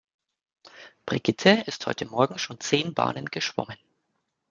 Brigitte ist heute morgen schon zehn Bahnen geschwommen.